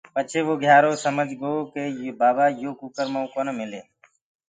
پڇي وو گھيارو سمج گو ڪي بآبآ يو ڪُڪَر مڪٚو ڪونآ مِلي۔